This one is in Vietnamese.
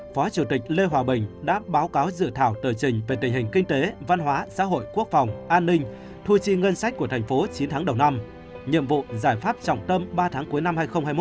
phó chủ tịch lê hòa bình đã báo cáo dự thảo tờ trình về tình hình kinh tế văn hóa xã hội quốc phòng an ninh thu chi ngân sách của thành phố chín tháng đầu năm nhiệm vụ giải pháp trọng tâm ba tháng cuối năm hai nghìn hai mươi một